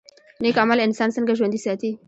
نیک عمل انسان څنګه ژوندی ساتي؟